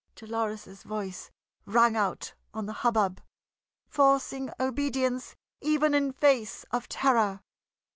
Dolores's voice rang out on the hubbub, forcing obedience even in face of terror.